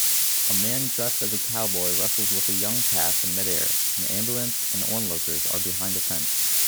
A man dressed as a cowboy wrestles with a young calf in midair an ambulance and onlookers are behind a fence